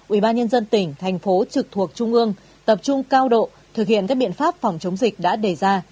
ubnd tỉnh thành phố trực thuộc trung ương tập trung cao độ thực hiện các biện pháp phòng chống dịch đã đề ra